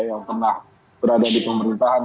yang pernah berada di pemerintahan